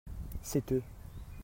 c'est eux.